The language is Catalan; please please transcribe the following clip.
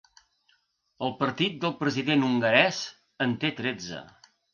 El partit del president hongarès en té tretze.